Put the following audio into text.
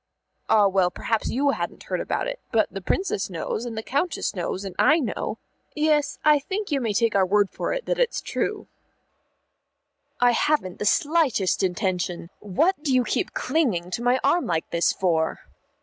"Ah, well, perhaps you hadn't heard about it. But the Princess knows, the Countess knows, and I know yes, I think you may take our word for it that it's true." "I haven't the slightest intention what do you keep clinging to my arm like this for?